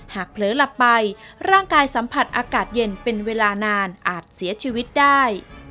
เผลอหลับไปร่างกายสัมผัสอากาศเย็นเป็นเวลานานอาจเสียชีวิตได้